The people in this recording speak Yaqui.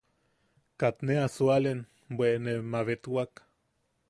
Kat ne a sualen bwe ne mabetwak.